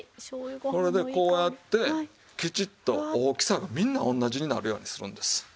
それでこうやってきちっと大きさがみんな同じになるようにするんです。